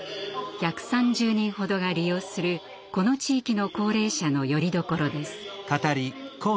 １３０人ほどが利用するこの地域の高齢者のよりどころです。